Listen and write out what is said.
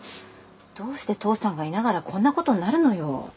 どうして父さんがいながらこんなことになるのよ。